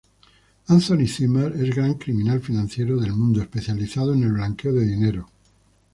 Anthony Zimmer es gran criminal financiero del mundo, especializado en el blanqueo de dinero.